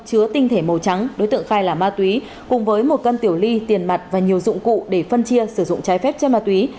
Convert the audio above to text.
chứa tinh thể màu trắng đối tượng khai là ma túy cùng với một cân tiểu ly tiền mặt và nhiều dụng cụ để phân chia sử dụng trái phép chân ma túy